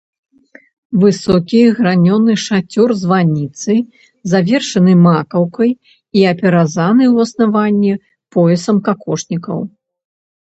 Высокі гранёны шацёр званіцы завершаны макаўкай і апяразаны ў аснаванні поясам какошнікаў.